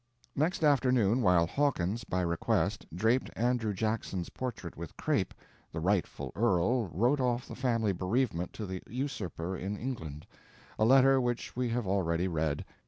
Next afternoon, while Hawkins, by request, draped Andrew Jackson's portrait with crape, the rightful earl, wrote off the family bereavement to the usurper in England—a letter which we have already read.